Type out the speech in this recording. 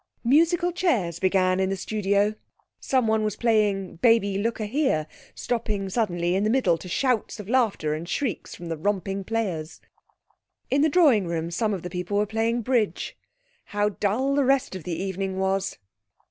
Musical chairs began in the studio. Someone was playing 'Baby, look a here,' stopping suddenly in the middle to shouts of laughter and shrieks from the romping players. In the drawing room some of the people were playing bridge. How dull the rest of the evening was!